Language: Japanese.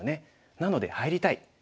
なので入りたい。